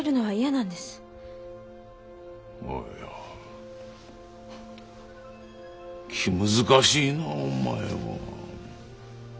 あいや気難しいなお前は。